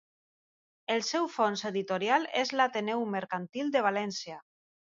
El seu fons editorial és a l'Ateneu Mercantil de València.